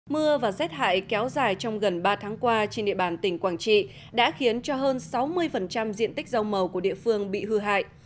mưa và rét hại kéo dài trong gần ba tháng qua trên địa bàn tỉnh quảng trị đã khiến cho hơn sáu mươi diện tích rau màu của địa phương bị hư hại